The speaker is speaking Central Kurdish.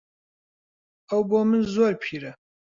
ئەو بۆ من زۆر پیرە.